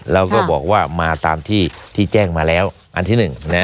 เราก็บอกว่ามาตามที่แจ้งมาแล้วอันที่๑